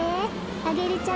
アゲルちゃん